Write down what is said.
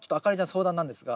相談なんですが。